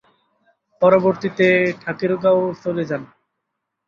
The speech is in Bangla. পরবর্তীতে ঠাকুরগাঁও চলে যান।